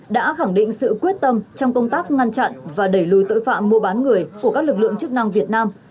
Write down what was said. đã khẳng định sự quyết tâm